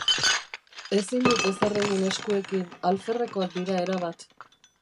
Ezin dut ezer egin eskuekin, alferrekoak dira erabat.